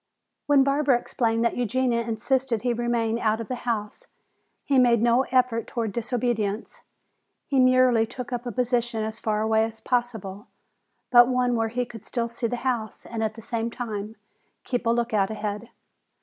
When Barbara explained that Eugenia insisted he remain out of the house, he made no effort toward disobedience. He merely took up a position as far away as possible, but one where he could still see the house and at the same time keep a lookout ahead.